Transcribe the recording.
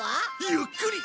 ゆっくり！